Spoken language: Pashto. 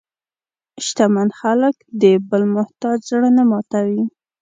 شتمن خلک د بل محتاج زړه نه ماتوي.